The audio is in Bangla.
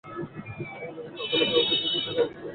আমাদের উচ্চ আদালতের অতীতের দুটি রায় থেকে এটি সুস্পষ্ট হয়েছে।